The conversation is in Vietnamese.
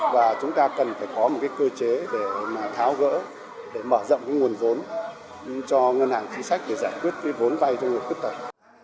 và chúng ta cần phải có một cái cơ chế để mà tháo gỡ để mở rộng cái nguồn vốn cho ngân hàng chính sách để giải quyết cái vốn vay cho người khuyết tật